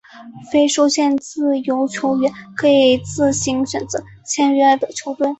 非受限自由球员可以自行选择签约的球队。